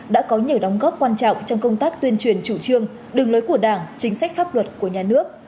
đã có nhiều đóng góp quan trọng trong công tác tuyên truyền chủ trương đường lối của đảng chính sách pháp luật của nhà nước